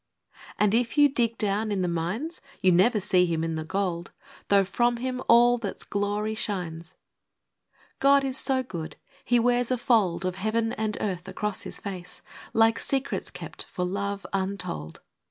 ii. And, if you dig down in the mines, You never see Him in the gold, Though, from Him, all that's glory, shines. hi. God is so good, He wears a fold Of Heaven and earth acrosfe His face, — Like secrets kept, for love, untold.